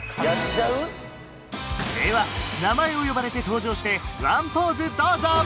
では名前を呼ばれて登場して１ポーズどうぞ！